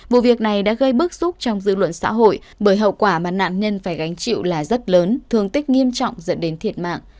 vụ việc này đã gây bức xúc trong dư luận xã hội bởi hậu quả mà nạn nhân phải gánh chịu là rất lớn thương tích nghiêm trọng dẫn đến thiệt mạng